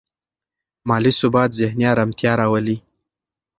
مالي ثبات ذهني ارامتیا راولي.